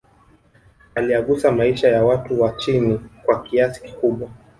Aliyagusa maisha ya watu wa chini kwa kiasi kikubwa